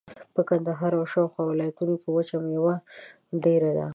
په کندهار او شاوخوا ولایتونو کښې وچه مېوه ډېره ده.